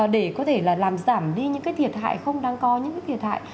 để có thể là làm giảm đi những cái thiệt hại không đáng có những cái thiệt hại